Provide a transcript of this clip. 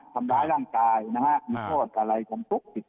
ทำร้ายร่างกายนะฮะมีโทษอะไรจำคุก